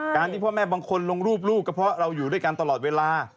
ที่พ่อแม่บางคนลงรูปลูกก็เพราะเราอยู่ด้วยกันตลอดเวลา